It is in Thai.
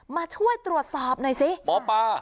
มาช่วยตรวจสอบหน่อยสิหมอปลา